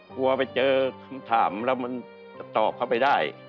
กลัวไปเจอคำถามแล้วมันจะตอบเข้าไปได้